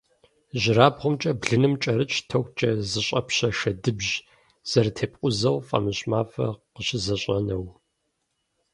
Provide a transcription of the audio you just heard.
ИжьырабгъумкӀэ блыным кӀэрытщ токкӀэ зыщӀэпщэ шэдыбжь – зэрытепкъузэу фӀамыщӀ мафӀэр къыщызэщӀэнэу.